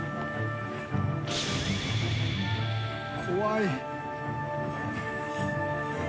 怖い。